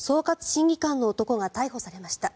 審議官の男が逮捕されました。